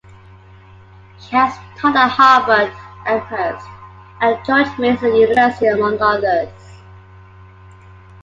She has taught at Harvard, Amherst, and George Mason University, among others.